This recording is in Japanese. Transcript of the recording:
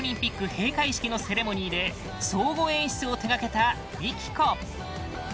閉会式のセレモニーで総合演出を手掛けたＭＩＫＩＫＯ